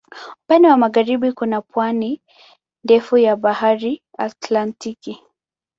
Upande wa magharibi kuna pwani ndefu ya Bahari Atlantiki.